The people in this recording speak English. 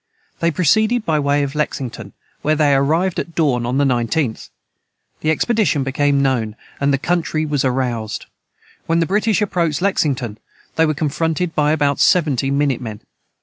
They proceeded by the way of Lexington, where they arrived at dawn of the 19th. The expedition became known, and the country was aroused. When the British approached Lexington, they were confronted by about seventy minute men.